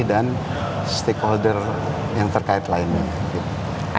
dan stakeholder yang terkait lainnya